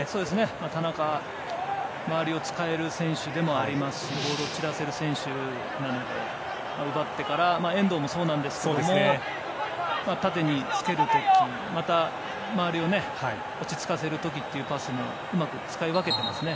田中は周りを使える選手でもありますしボールを散らせる選手なので奪ってから遠藤もそうなんですけど縦につける時、また周りを落ち着かせる時のパスもうまく使い分けていますね。